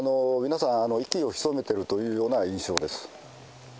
皆さん、息を潜めているというような印象です。